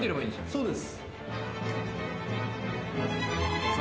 そうです。